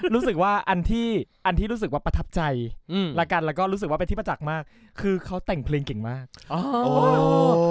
รู้สึกว่าอันที่อันที่รู้สึกว่าประทับใจและกันแล้วก็รู้สึกว่าเป็นที่ประจักษ์มากคือเขาแต่งเพลงเก่งมาก